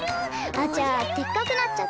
あちゃでっかくなっちゃった！